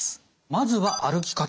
まずは歩き方。